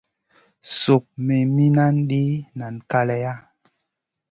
Suk me minandi nen kaleya.